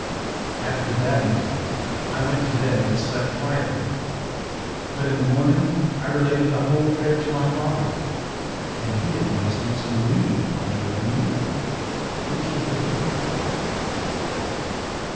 After that meeting, I went to bed and slept quietly, but in the morning I related the whole affair to my father, and he advised me to leave Padua immediately, which I did.